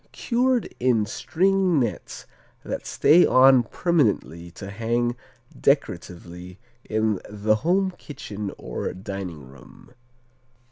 Cured in string nets that stay on permanently to hang decoratively in the home kitchen or dining room.